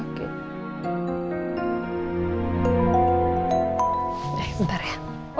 eh bentar ya